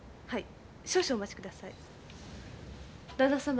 はい。